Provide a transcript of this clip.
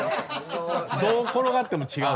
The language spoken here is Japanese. どう転がっても違う。